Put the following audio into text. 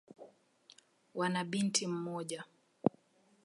Wana binti mmoja.